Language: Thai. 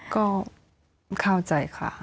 ก็เข้าใจค่ะ